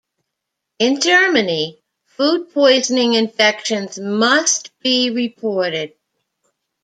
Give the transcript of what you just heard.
In Germany, food poisoning infections must be reported.